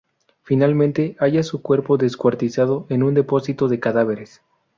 Finalmente halla su cuerpo descuartizado en un depósito de cadáveres.